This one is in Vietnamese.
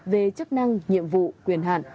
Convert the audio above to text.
về chức năng nhiệm vụ quyền hạn